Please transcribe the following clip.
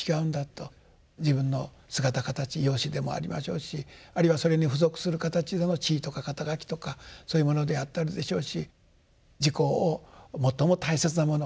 自分の姿形容姿でもありましょうしあるいはそれに付属する形での地位とか肩書とかそういうものであったりでしょうし自己を最も大切なもの